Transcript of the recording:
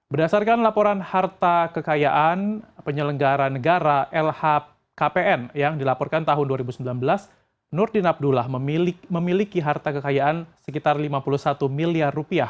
berdasarkan laporan harta kekayaan penyelenggara negara lhkpn yang dilaporkan tahun dua ribu sembilan belas nurdin abdullah memiliki harta kekayaan sekitar rp lima puluh satu miliar